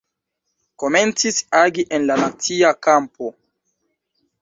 Komencis agi en la nacia kampo.